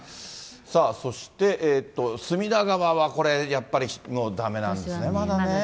さあ、そして隅田川はこれ、やっぱりだめなんですね、まだね。